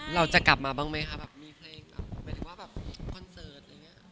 เราจะกลับมาบ้างไหมคะแบบมีเพลงแบบหมายถึงว่าแบบคอนเสิร์ตอะไรอย่างนี้